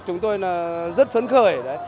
chúng tôi là rất phấn khởi